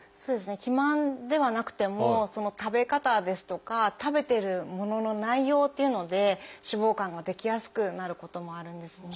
肥満ではなくても食べ方ですとか食べてるものの内容っていうので脂肪肝が出来やすくなることもあるんですね。